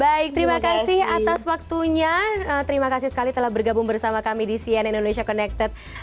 baik terima kasih atas waktunya terima kasih sekali telah bergabung bersama kami di cnn indonesia connected